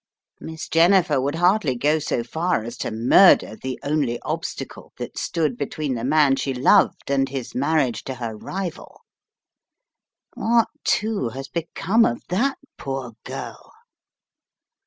Miss Jennifer would hardly go so far as to murder the only obstacle that stood between the man she loved and his marriage to her rival. What, too, has become of that poor girl?"